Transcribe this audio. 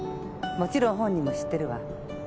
もちろん本人も知ってるわ。